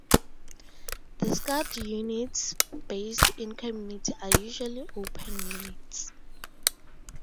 The Scout units based in community are usually open units.